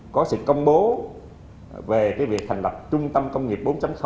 có sự công bố về việc thành lập trung tâm công nghiệp bốn